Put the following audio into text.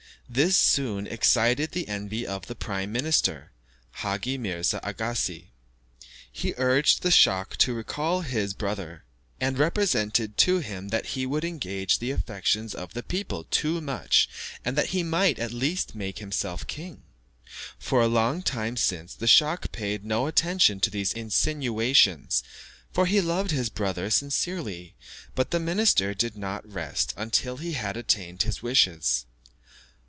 This soon excited the envy of the prime minister Haggi Mirza Aagassi; he urged the schach to recall his brother, and represented to him that he would engage the affections of the people too much, and that he might at last make himself king. For a long time the schach paid no attention to these insinuations, for he loved his brother sincerely; but the minister did not rest until he had attained his wishes.